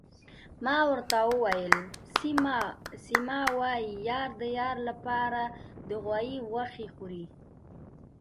ما ورته وویل: سیمه، وايي یار د یار لپاره د غوايي غوښې خوري.